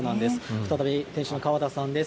再び店主の川田さんです。